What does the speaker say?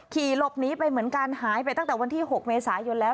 ขี่หลบหนีไปเหมือนกันหายไปตั้งแต่วันที่๖เมษายนแล้ว